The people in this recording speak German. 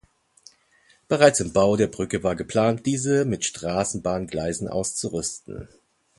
Bereits beim Bau der Brücke war geplant, diese mit Straßenbahngleisen auszurüsten.